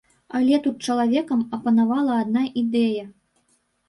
Але тут чалавекам апанавала адна ідэя.